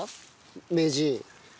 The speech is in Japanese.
名人。